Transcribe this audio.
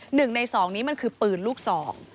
หนึ่งในสองนี้มันคือปืนลูกสอง